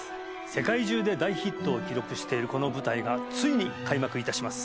世界中で大ヒットを記録しているこの舞台がついに開幕いたします